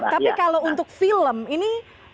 tapi kalau untuk film ini